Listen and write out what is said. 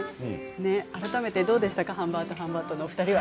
改めてどうでしたかハンバートハンバートのお二人は。